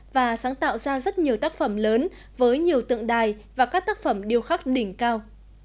và sáng tạo ra rất nhiều tác phẩm lớn với nhiều tượng đài và các tác phẩm điêu khắc đỉnh cao